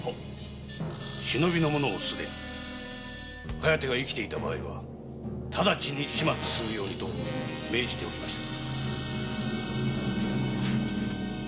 「疾風」が生きていた場合は直ちに始末するようにと命じておきました。